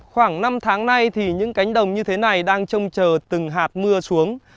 khoảng năm tháng nay thì những cánh đồng như thế này đang trông chờ từng hạt mưa xuống